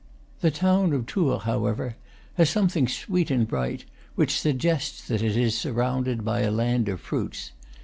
The town of Tours, however, has some thing sweet and bright, which suggests that it is sur rounded by a land of fruits.